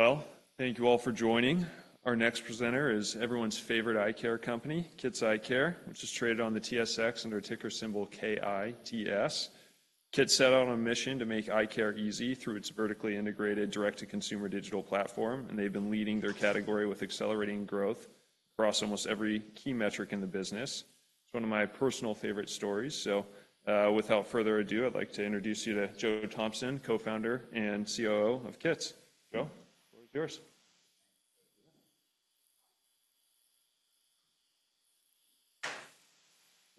All right. Well, thank you all for joining. Our next presenter is everyone's favorite eye care company, Kits Eyecare, which is traded on the TSX under ticker symbol KITS. Kits set out on a mission to make eye care easy through its vertically integrated direct-to-consumer digital platform, and they've been leading their category with accelerating growth across almost every key metric in the business. It's one of my personal favorite stories. So, without further ado, I'd like to introduce you to Joe Thompson, Co-Founder and COO of Kits. Joe, the floor is yours.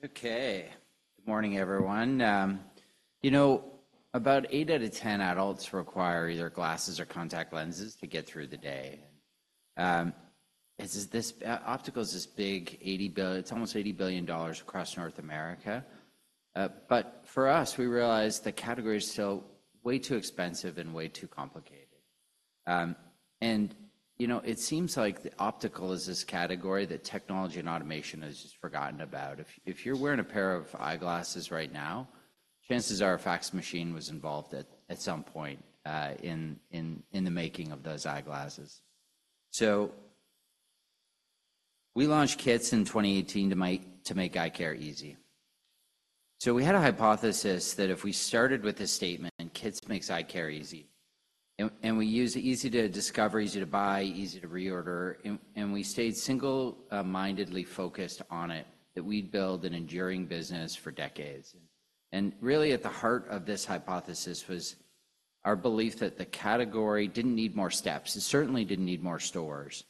Okay. Good morning, everyone. You know, about eight out of 10 adults require either glasses or contact lenses to get through the day. The optical is this big $80 billion. It's almost $80 billion across North America. But for us, we realized the category is still way too expensive and way too complicated. You know, it seems like the optical is this category that technology and automation has just forgotten about. If you're wearing a pair of eyeglasses right now, chances are a fax machine was involved at some point in the making of those eyeglasses. So we launched Kits in 2018 to make eye care easy. So we had a hypothesis that if we started with the statement, "Kits makes eye care easy," and we use easy to discover, easy to buy, easy to reorder, and we stayed single-mindedly focused on it, that we'd build an enduring business for decades. And really at the heart of this hypothesis was our belief that the category didn't need more steps. It certainly didn't need more stores,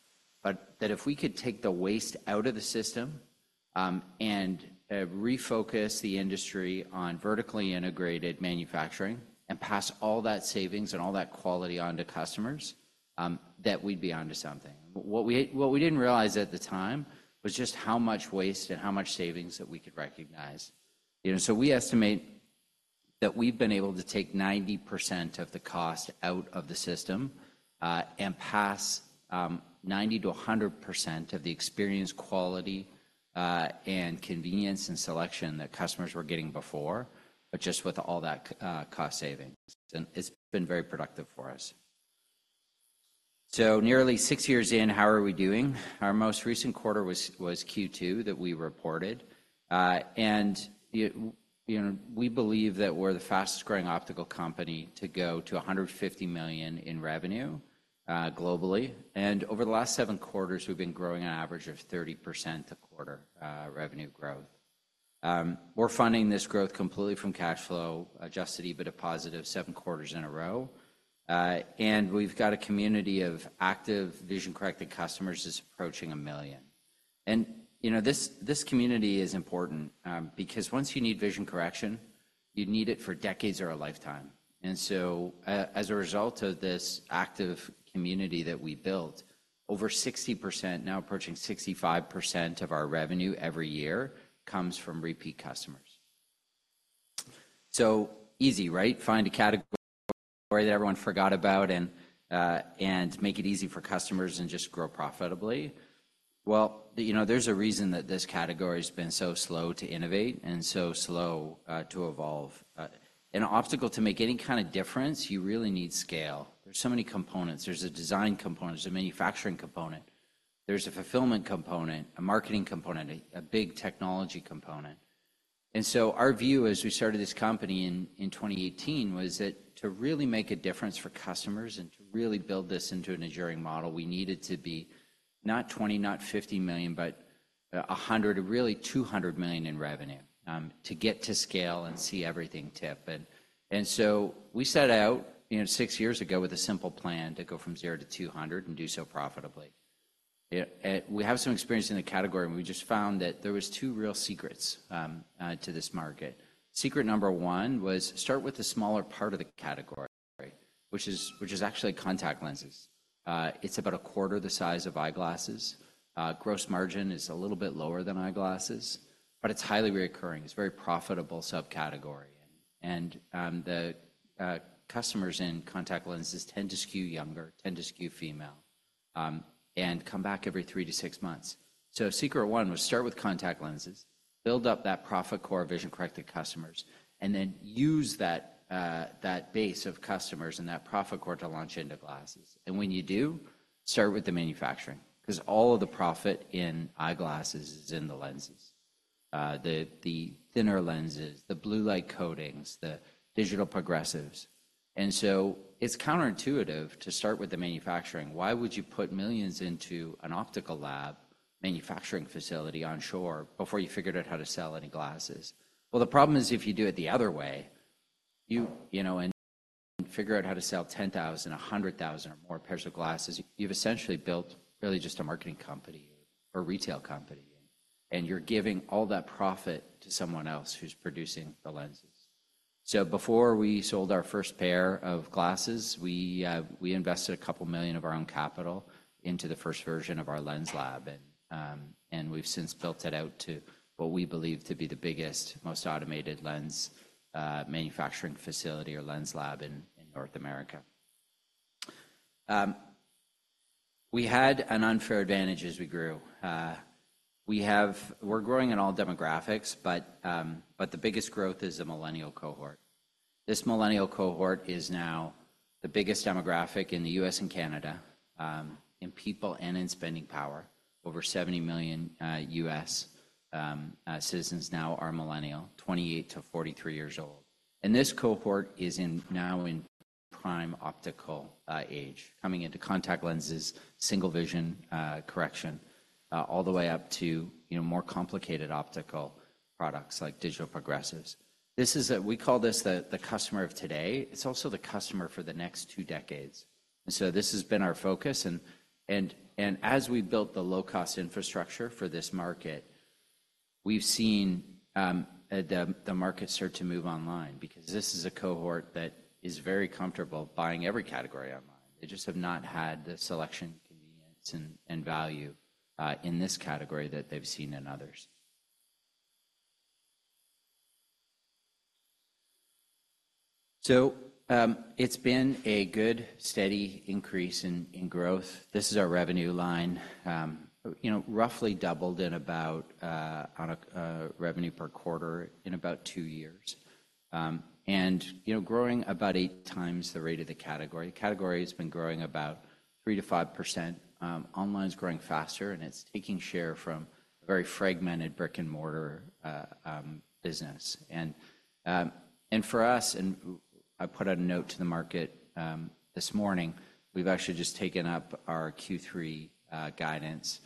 but that if we could take the waste out of the system, and refocus the industry on vertically integrated manufacturing and pass all that savings and all that quality on to customers, that we'd be onto something. What we didn't realize at the time was just how much waste and how much savings that we could recognize. You know, we estimate that we've been able to take 90% of the cost out of the system, and pass 90%-100% of the experience, quality, and convenience and selection that customers were getting before, but just with all that cost savings, and it's been very productive for us. Nearly six years in, how are we doing? Our most recent quarter was Q2 that we reported. We believe that we're the fastest-growing optical company to go to 150 million in revenue, globally. Over the last seven quarters, we've been growing an average of 30% a quarter, revenue growth. We're funding this growth completely from cash flow, Adjusted EBITDA positive seven quarters in a row. And we've got a community of active vision-corrected customers that's approaching a million. And, you know, this, this community is important, because once you need vision correction, you need it for decades or a lifetime. And so, as a result of this active community that we built, over 60%, now approaching 65% of our revenue every year, comes from repeat customers. So easy, right? Find a category that everyone forgot about and make it easy for customers and just grow profitably. Well, you know, there's a reason that this category has been so slow to innovate and so slow to evolve. An obstacle to make any kind of difference, you really need scale. There's so many components. There's a design component, there's a manufacturing component, there's a fulfillment component, a marketing component, a big technology component. And so our view as we started this company in 2018 was that to really make a difference for customers and to really build this into an enduring model, we needed to be not 20 million, not 50 million, but 100 million, really 200 million in revenue to get to scale and see everything tip. And so we set out, you know, six years ago with a simple plan to go from zero to 200 million and do so profitably. And we have some experience in the category, and we just found that there were two real secrets to this market. Secret number one was to start with the smaller part of the category, which is actually contact lenses. It's about a quarter the size of eyeglasses. Gross margin is a little bit lower than eyeglasses, but it's highly recurring. It's a very profitable subcategory. And, the customers in contact lenses tend to skew younger, tend to skew female, and come back every three to six months. So secret one was start with contact lenses, build up that profit core of vision-corrected customers, and then use that base of customers and that profit core to launch into glasses. And when you do, start with the manufacturing, 'cause all of the profit in eyeglasses is in the lenses. The thinner lenses, the blue light coatings, the digital progressives. And so it's counterintuitive to start with the manufacturing. Why would you put millions into an optical lab manufacturing facility onshore before you figured out how to sell any glasses? The problem is, if you do it the other way, you know, and figure out how to sell 10,000, 100,000 or more pairs of glasses, you've essentially built really just a marketing company or retail company, and you're giving all that profit to someone else who's producing the lenses. So before we sold our first pair of glasses, we we invested 2 million of our own capital into the first version of our lens lab. And we've since built it out to what we believe to be the biggest, most automated lens manufacturing facility or lens lab in North America. We had an unfair advantage as we grew. We're growing in all demographics, but the biggest growth is the millennial cohort. This millennial cohort is now the biggest demographic in the U.S. and Canada, in people and in spending power. Over 70 million U.S. citizens now are millennial, 28-43 years old. And this cohort is now in prime optical age, coming into contact lenses, single vision correction, all the way up to, you know, more complicated optical products like digital progressives. This is a, we call this the customer of today. It's also the customer for the next two decades. And so this has been our focus, and as we built the low-cost infrastructure for this market, we've seen the market start to move online because this is a cohort that is very comfortable buying every category online. They just have not had the selection, convenience, and value in this category that they've seen in others. So, it's been a good, steady increase in growth. This is our revenue line. You know, roughly doubled in about on a revenue per quarter in about two years, and you know, growing about eight times the rate of the category. The category has been growing about 3%-5%. Online's growing faster, and it's taking share from a very fragmented brick-and-mortar business, and for us, I put out a note to the market this morning. We've actually just taken up our Q3 guidance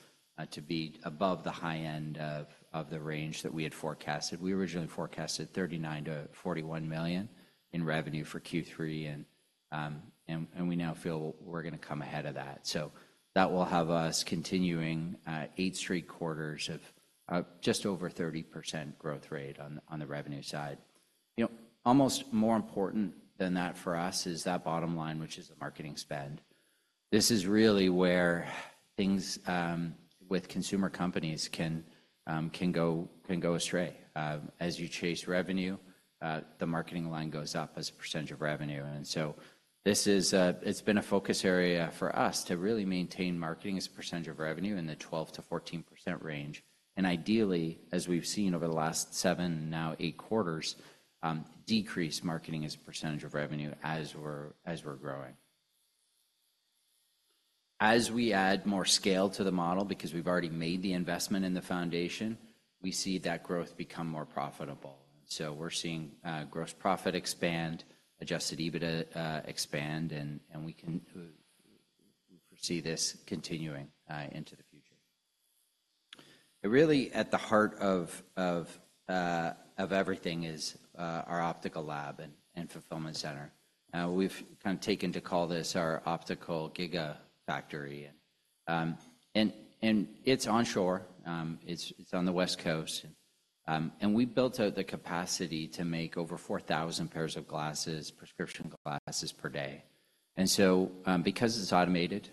to be above the high end of the range that we had forecasted. We originally forecasted 39 million-41 million in revenue for Q3, and we now feel we're gonna come ahead of that. So that will have us continuing eight straight quarters of just over 30% growth rate on the revenue side. You know, almost more important than that for us is that bottom line, which is the marketing spend. This is really where things with consumer companies can go astray. As you chase revenue, the marketing line goes up as a percentage of revenue. And so this is. It's been a focus area for us to really maintain marketing as a percentage of revenue in the 12%-14% range, and ideally, as we've seen over the last seven, now eight quarters, decrease marketing as a percentage of revenue as we're growing. As we add more scale to the model, because we've already made the investment in the foundation, we see that growth become more profitable. So we're seeing gross profit expand, adjusted EBITDA expand, and we can foresee this continuing into the future. Really, at the heart of everything is our optical lab and fulfillment center. We've kind of taken to call this our optical Gigafactory, and it's onshore. It's on the West Coast, and we built out the capacity to make over 4,000 pairs of glasses, prescription glasses per day. And so, because it's automated,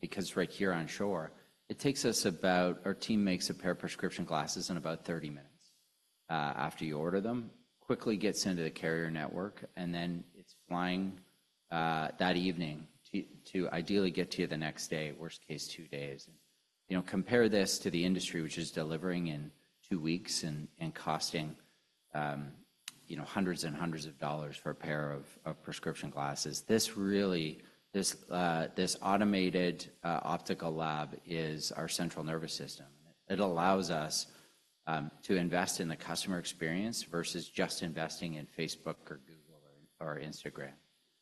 because it's right here onshore, it takes us our team makes a pair of prescription glasses in about 30 minutes after you order them, quickly gets into the carrier network, and then it's flying that evening to ideally get to you the next day, worst case, two days. You know, compare this to the industry, which is delivering in two weeks and costing, you know, hundreds and hundreds of dollars for a pair of prescription glasses. This really, this automated optical lab is our central nervous system. It allows us to invest in the customer experience versus just investing in Facebook or Google or Instagram.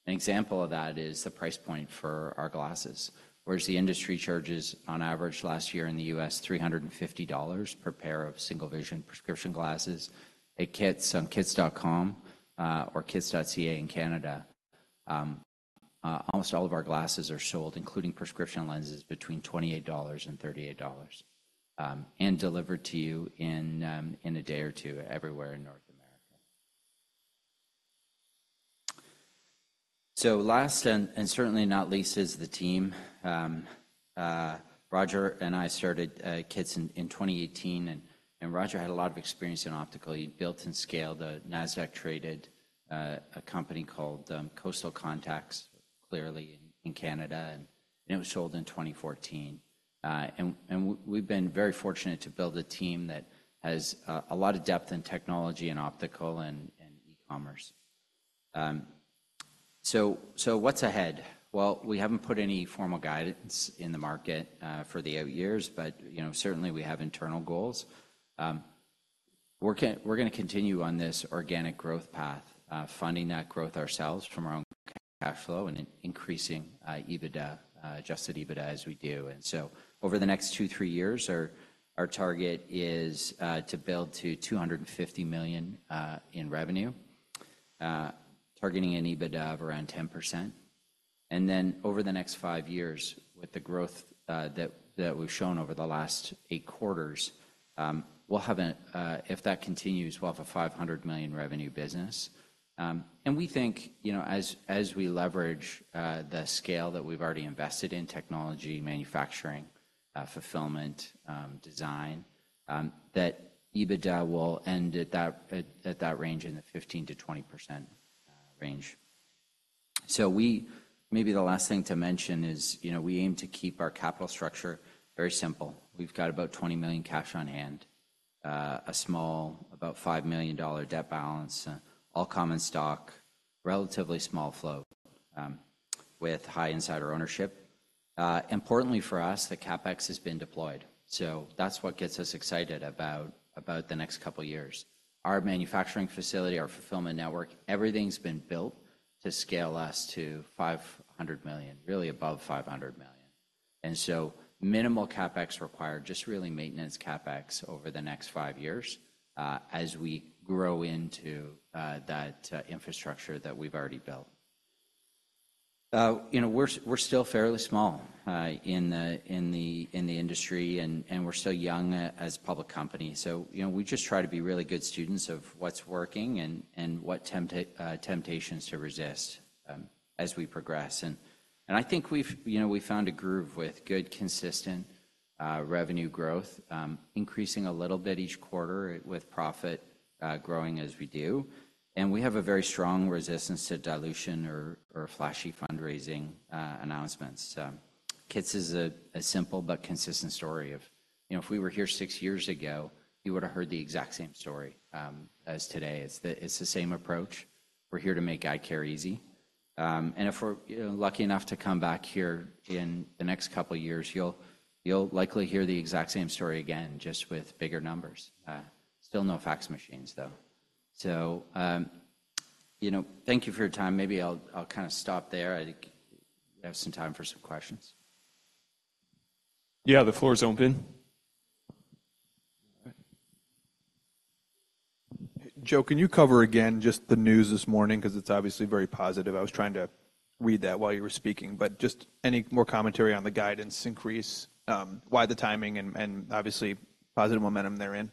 An example of that is the price point for our glasses. Whereas the industry charges on average last year in the U.S., $350 per pair of single-vision prescription glasses, at Kits, on kits.com or kits.ca in Canada, almost all of our glasses are sold, including prescription lenses, between $28 and $38, and delivered to you in a day or two everywhere in North America. So, last and certainly not least, is the team. Roger and I started Kits in 2018, and Roger had a lot of experience in optical. He'd built and scaled a NASDAQ-traded company called Coastal Contacts, Clearly in Canada, and it was sold in 2014. And we've been very fortunate to build a team that has a lot of depth in technology and optical and e-commerce. What's ahead? We haven't put any formal guidance in the market, for the out years, but, you know, certainly we have internal goals. We're gonna continue on this organic growth path, funding that growth ourselves from our own cash flow and increasing EBITDA, Adjusted EBITDA as we do. And so over the next two, three years, our target is to build to 250 million in revenue, targeting an EBITDA of around 10%. And then over the next five years, with the growth that we've shown over the last eight quarters, if that continues, we'll have a 500 million revenue business. And we think, you know, as we leverage the scale that we've already invested in, technology, manufacturing, fulfillment, design, that EBITDA will end at that range, in the 15%-20% range. Maybe the last thing to mention is, you know, we aim to keep our capital structure very simple. We've got about 20 million cash on hand, a small, about 5 million dollar debt balance, all common stock, relatively small float, with high insider ownership. Importantly for us, the CapEx has been deployed, so that's what gets us excited about the next couple of years. Our manufacturing facility, our fulfillment network, everything's been built to scale us to 500 million, really above 500 million. And so minimal CapEx required, just really maintenance CapEx over the next five years, as we grow into that infrastructure that we've already built. You know, we're still fairly small in the industry, and we're still young as a public company. So, you know, we just try to be really good students of what's working and what temptations to resist as we progress, and I think we've, you know, found a groove with good, consistent revenue growth, increasing a little bit each quarter with profit growing as we do, and we have a very strong resistance to dilution or flashy fundraising announcements. KITS is a simple but consistent story of, you know, if we were here six years ago, you would've heard the exact same story as today. It's the same approach. We're here to make eye care easy. And if we're, you know, lucky enough to come back here in the next couple of years, you'll likely hear the exact same story again, just with bigger numbers. Still no fax machines, though. So, you know, thank you for your time. Maybe I'll kind of stop there. I think we have some time for some questions. Yeah, the floor is open. Joe, can you cover again just the news this morning? Because it's obviously very positive. I was trying to read that while you were speaking, but just any more commentary on the guidance increase, why the timing and obviously positive momentum therein?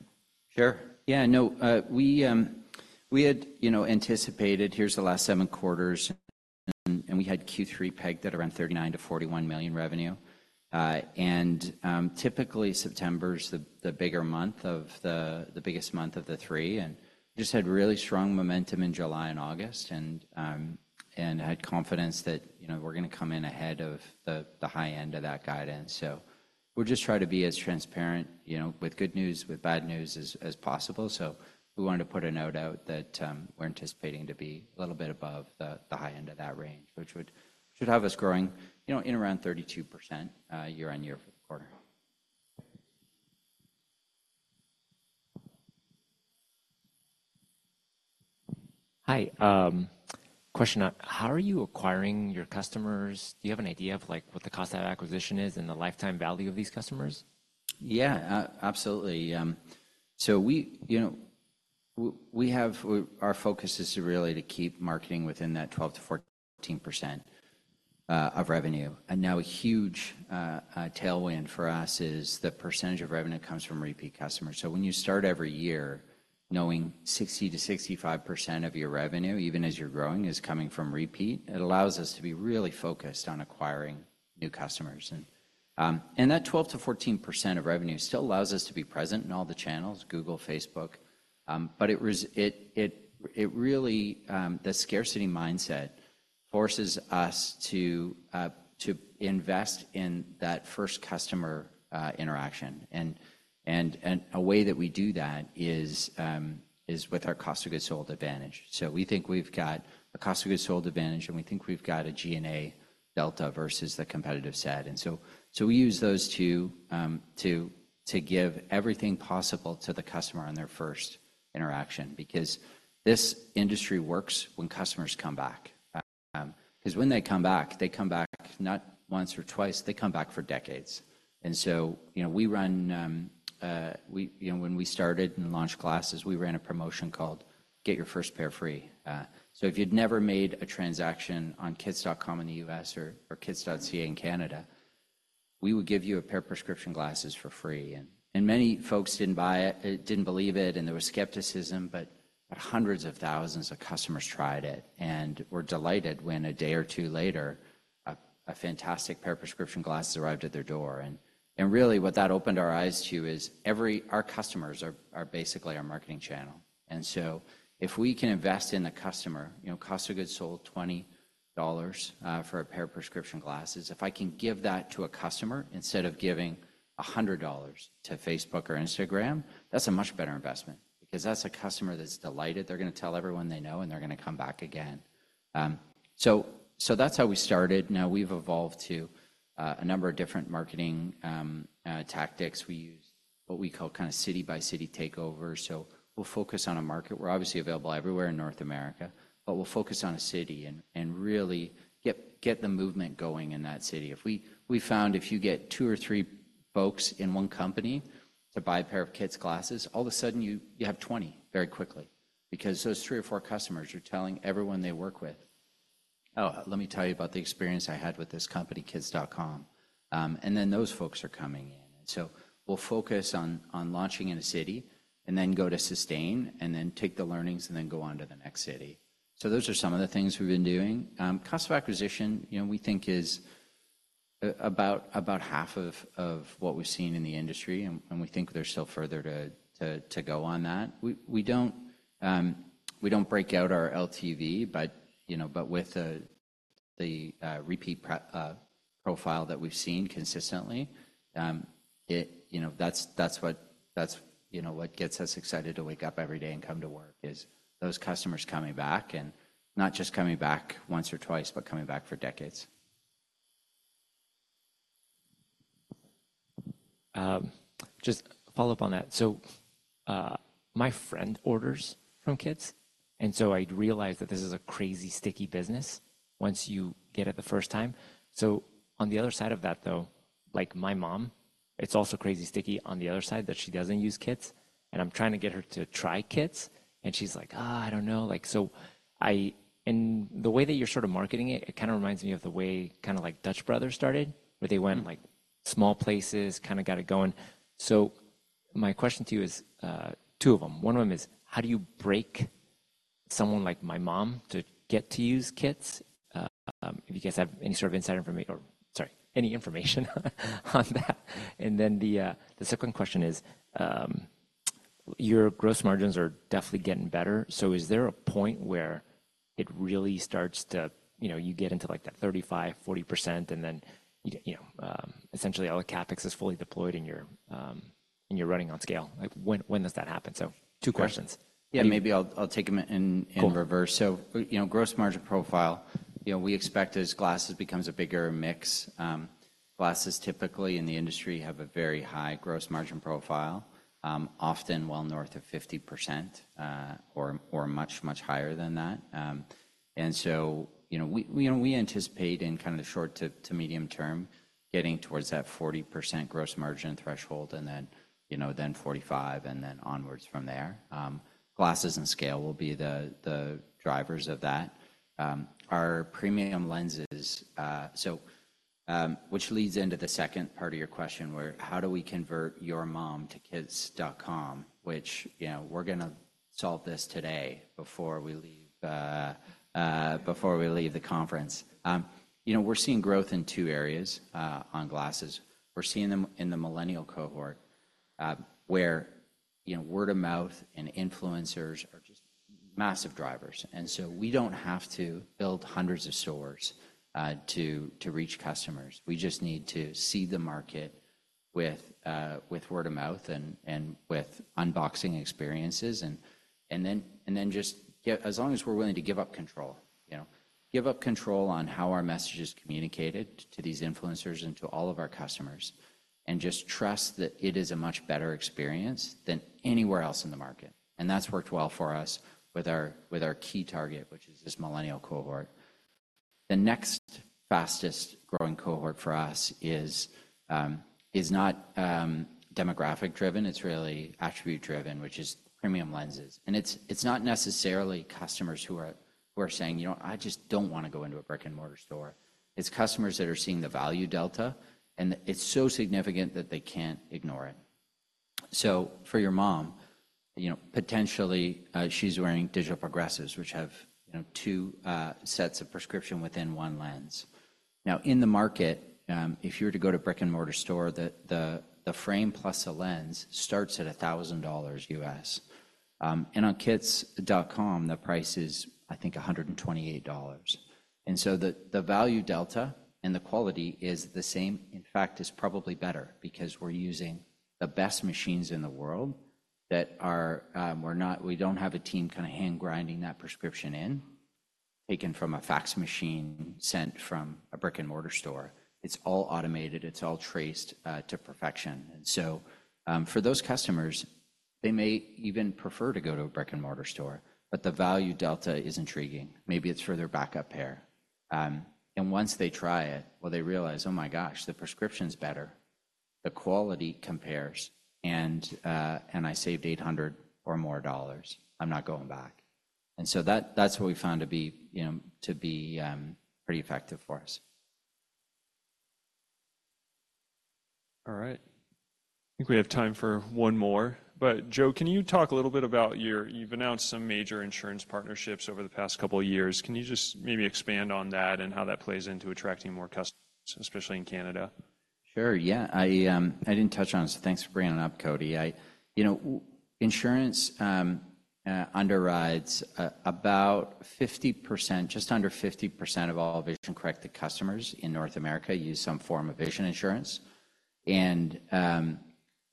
Sure. Yeah, no, we had, you know, anticipated, here's the last seven quarters, and we had Q3 pegged at around 39 million-41 million revenue. And typically, September's the biggest month of the three, and just had really strong momentum in July and August, and had confidence that, you know, we're going to come in ahead of the high end of that guidance. So we'll just try to be as transparent, you know, with good news, with bad news as possible. So we wanted to put a note out that, we're anticipating to be a little bit above the high end of that range, which should have us growing, you know, in around 32%, year-on-year for the quarter. Hi, question, how are you acquiring your customers? Do you have an idea of, like, what the cost of acquisition is and the lifetime value of these customers? Yeah, absolutely. So we, you know, we have our focus is to really to keep marketing within that 12%-14% of revenue. And now a huge tailwind for us is the percentage of revenue comes from repeat customers. So when you start every year, knowing 60%-65% of your revenue, even as you're growing, is coming from repeat, it allows us to be really focused on acquiring new customers. And that 12%-14% of revenue still allows us to be present in all the channels, Google, Facebook. But it really the scarcity mindset forces us to invest in that first customer interaction. And a way that we do that is with our cost of goods sold advantage. So we think we've got a cost of goods sold advantage, and we think we've got a G&A delta versus the competitive set. And so we use those two to give everything possible to the customer on their first interaction, because this industry works when customers come back. 'Cause when they come back, they come back not once or twice. They come back for decades. And so, you know, when we started and launched glasses, we ran a promotion called Get your first pair free so if you'd never made a transaction on kits.com in the U.S. or kits.ca in Canada, we would give you a pair of prescription glasses for free. And many folks didn't buy it, didn't believe it, and there was skepticism, but hundreds of thousands of customers tried it and were delighted when a day or two later, a fantastic pair of prescription glasses arrived at their door. And really, what that opened our eyes to is our customers are basically our marketing channel. And so if we can invest in the customer, you know, cost of goods sold, 20 dollars for a pair of prescription glasses, if I can give that to a customer instead of giving 100 dollars to Facebook or Instagram, that's a much better investment because that's a customer that's delighted. They're gonna tell everyone they know, and they're gonna come back again. So that's how we started. Now, we've evolved to a number of different marketing tactics. We use what we call kind of city-by-city takeover. So we'll focus on a market. We're obviously available everywhere in North America, but we'll focus on a city and really get the movement going in that city. If we found if you get two or three folks in one company to buy a pair of KITS glasses, all of a sudden you have 20 very quickly. Because those three or four customers are telling everyone they work with, "Oh, let me tell you about the experience I had with this company, kits.com." And then those folks are coming in. So we'll focus on launching in a city and then go to sustain, and then take the learnings and then go on to the next city. So those are some of the things we've been doing. Cost of acquisition, you know, we think is about half of what we've seen in the industry, and we think there's still further to go on that. We don't break out our LTV, but, you know, but with the repeat profile that we've seen consistently, it. You know, that's what gets us excited to wake up every day and come to work, is those customers coming back, and not just coming back once or twice, but coming back for decades. Just follow up on that. So, my friend orders from Kits, and so I realized that this is a crazy, sticky business once you get it the first time. So on the other side of that, though, like my mom, it's also crazy sticky on the other side that she doesn't use Kits, and I'm trying to get her to try Kits, and she's like: "Ah, I don't know." Like, so and the way that you're sort of marketing it, it kind of reminds me of the way kind of like Dutch Bros started, where they went-like small places, kind of got it going. So my question to you is, two of them. One of them is, how do you break someone like my mom to get to use Kits? If you guys have any sort of insight information or, sorry, any information on that. And then the, the second question is, your gross margins are definitely getting better, so is there a point where it really starts to, you know, you get into, like, that 35%-40%, and then, you know, essentially all the CapEx is fully deployed, and you're, and you're running on scale? Like, when, when does that happen? So two questions. Yeah, maybe I'll take them in reverse. So, you know, gross margin profile, you know, we expect as glasses becomes a bigger mix, glasses typically in the industry have a very high gross margin profile, often well north of 50%, or much, much higher than that. And so, you know, we anticipate in kind of the short to medium term, getting towards that 40% gross margin threshold and then, you know, then 45%, and then onwards from there. Glasses and scale will be the drivers of that. Our premium lenses. So, which leads into the second part of your question, where how do we convert your mom to kits.com, which, you know, we're gonna solve this today before we leave, before we leave the conference. You know, we're seeing growth in two areas, on glasses. We're seeing them in the millennial cohort, where, you know, word of mouth and influencers are just massive drivers, and so we don't have to build hundreds of stores to reach customers. We just need to seed the market with word of mouth and with unboxing experiences, and then as long as we're willing to give up control, you know. Give up control on how our message is communicated to these influencers and to all of our customers, and just trust that it is a much better experience than anywhere else in the market, and that's worked well for us with our key target, which is this millennial cohort. The next fastest-growing cohort for us is not demographic-driven. It's really attribute-driven, which is premium lenses. It's not necessarily customers who are saying: "You know, I just don't want to go into a brick-and-mortar store." It's customers that are seeing the value delta, and it's so significant that they can't ignore it. So for your mom, you know, potentially, she's wearing digital progressives, which have, you know, two sets of prescription within one lens. Now, in the market, if you were to go to brick-and-mortar store, the frame plus a lens starts at $1,000. And on kits.com, the price is, I think, $128. And so the value delta and the quality is the same. In fact, it's probably better because we're using the best machines in the world that are, we don't have a team kind of hand-grinding that prescription in, taken from a fax machine, sent from a brick-and-mortar store. It's all automated. It's all traced to perfection. For those customers, they may even prefer to go to a brick-and-mortar store, but the value delta is intriguing. Maybe it's for their backup pair. Once they try it, well, they realize, "Oh my gosh, the prescription's better, the quality compares, and I saved $800 or more. I'm not going back." That's what we found to be, you know, pretty effective for us. All right. I think we have time for one more. But Joe, can you talk a little bit about your, you've announced some major insurance partnerships over the past couple of years. Can you just maybe expand on that and how that plays into attracting more customers, especially in Canada? Sure, yeah. I didn't touch on it, so thanks for bringing it up, Cody. You know, insurance underwrites about 50%, just under 50% of all vision-corrected customers in North America use some form of vision insurance,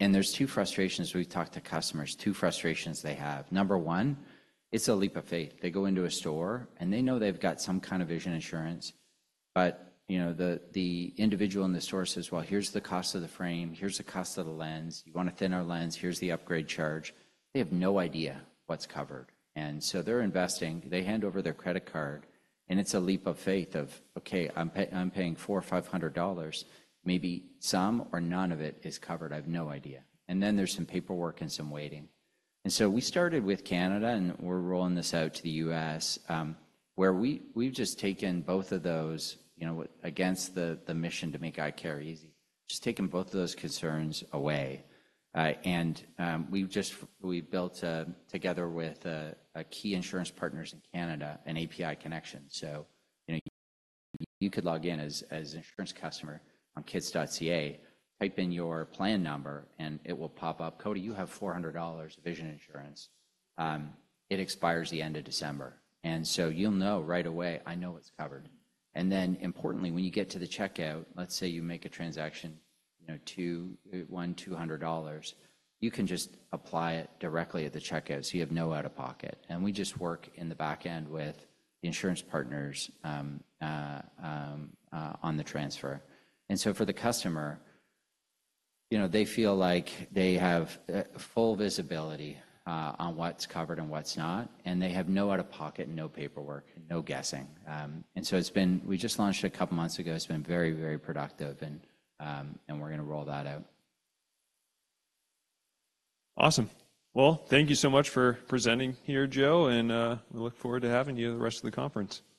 and there's two frustrations we've talked to customers, two frustrations they have. Number one, it's a leap of faith. They go into a store, and they know they've got some kind of vision insurance, but you know, the individual in the store says: "Well, here's the cost of the frame. Here's the cost of the lens. You want a thinner lens, here's the upgrade charge." They have no idea what's covered, and so they're investing. They hand over their credit card, and it's a leap of faith of, "Okay, I'm paying 400-500 dollars. Maybe some or none of it is covered. I have no idea." And then there's some paperwork and some waiting. And so we started with Canada, and we're rolling this out to the U.S., where we, we've just taken both of those, you know, against the mission to make eye care easy, just taken both of those concerns away. And we've built a, together with a key insurance partners in Canada, an API connection. So, you know, you could log in as an insurance customer on kits.ca, type in your plan number, and it will pop up. "Cody, you have 400 dollars vision insurance. It expires the end of December." And so you'll know right away, I know what's covered. And then importantly, when you get to the checkout, let's say you make a transaction, you know, 200 dollars, you can just apply it directly at the checkout so you have no out-of-pocket. We just work in the back end with insurance partners on the transfer. So for the customer, you know, they feel like they have full visibility on what's covered and what's not, and they have no out-of-pocket, no paperwork, no guessing. We just launched it a couple of months ago. It's been very, very productive, and we're gonna roll that out. Awesome. Thank you so much for presenting here, Joe, and we look forward to having you the rest of the conference. Thanks.